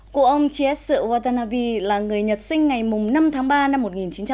cụ ông chiesu watanabe là người nhật sinh ngày năm tháng ba năm một nghìn chín trăm linh bảy